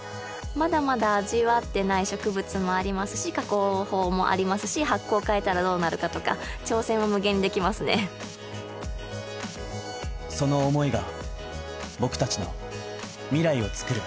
まだまだ味わってない植物もありますし加工法もありますし発酵変えたらどうなるかとか挑戦は無限にできますねその思いが僕達の未来をつくる